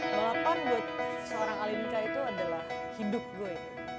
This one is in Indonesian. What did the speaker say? balapan buat seorang alimca itu adalah hidup gue